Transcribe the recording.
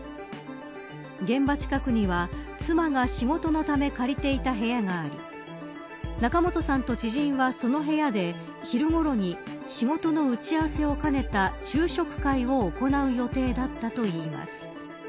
現場近くには、妻が仕事のため借りていた部屋があり仲本さんと知人はその部屋で昼ごろに仕事の打ち合わせを兼ねた昼食会を行う予定だったといいます。